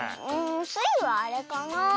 スイはあれかな。